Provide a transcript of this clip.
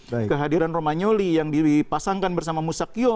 nah kehadiran romagnoli yang dipasangkan bersama musakyo